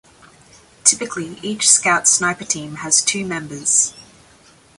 Typically, each Scout Sniper team has two members.